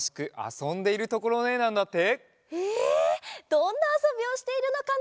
どんなあそびをしているのかな？